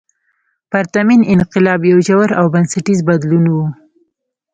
پرتمین انقلاب یو ژور او بنسټیز بدلون و.